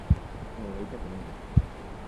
もうやりたくないな